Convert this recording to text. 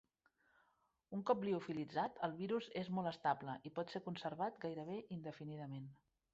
Un cop liofilitzat, el virus és molt estable, i pot ser conservat gairebé indefinidament.